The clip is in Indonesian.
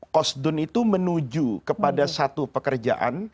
kos dun itu menuju kepada satu pekerjaan